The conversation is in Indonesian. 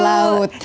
ya soalnya kekainan